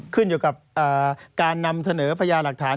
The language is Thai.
ขึ้นอยู่กับการนำเสนอพญาหลักฐาน